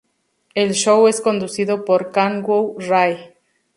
El show es conducido por Kang Won Rae.